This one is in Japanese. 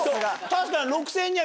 確かに。